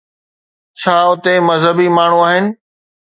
ڇا اتي مذهبي ماڻهو آهن؟